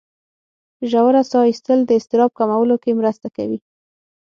ژوره ساه ایستل د اضطراب کمولو کې مرسته کوي.